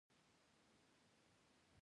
موږ اوس چمتو يو چې د دې اصولو يو وارزوو.